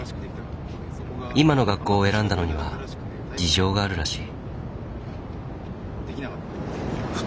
今の学校を選んだのには事情があるらしい。